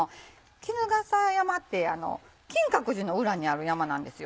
衣笠山って金閣寺の裏にある山なんですよ。